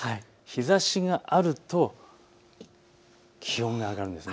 日ざしがあると気温が上がるんです。